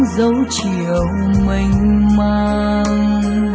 giấu chiều mênh mang